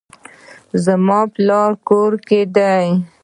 زما پلار کور کې دی